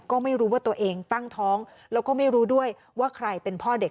ก็ไม่รู้ว่าตัวเองตั้งท้องแล้วก็ไม่รู้ด้วยว่าใครเป็นพ่อเด็ก